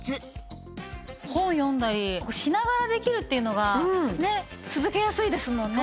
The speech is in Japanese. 本読んだりしながらできるっていうのが続けやすいですもんね。